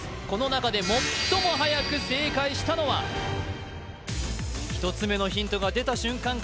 この中で最もはやく正解したのは１つ目のヒントが出た瞬間